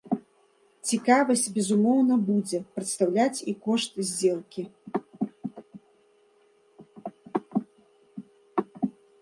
Цікавасць, безумоўна, будзе прадстаўляць і кошт здзелкі.